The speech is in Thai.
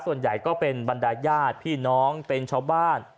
ส่วนใหญ่ก็เป็นบรรดายญาติพี่น้องเป็นชาวบ้าน